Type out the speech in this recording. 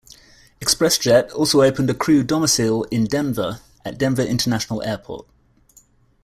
ExpressJet also opened a crew domicile in Denver, at Denver International Airport.